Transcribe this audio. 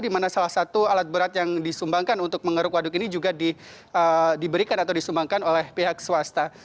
di mana salah satu alat berat yang disumbangkan untuk mengeruk waduk ini juga diberikan atau disumbangkan oleh pihak swasta